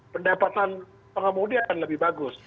pendapatan pengemudi akan lebih bagus